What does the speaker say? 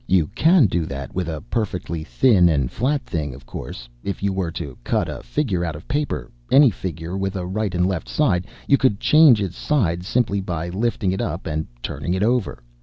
You can do that with a perfectly thin and flat thing, of course. If you were to cut a figure out of paper, any figure with a right and left side, you could change its sides simply by lifting it up and turning it over.